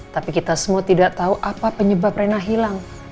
tapi kita semua tidak tahu apa penyebab rena hilang